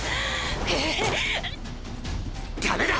ダメだ！